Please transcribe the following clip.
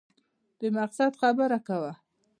د مقصد خبره کوه !